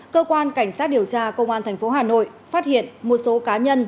cơ quan cảnh sát điều tra công an thành phố hà nội phát hiện một số cá nhân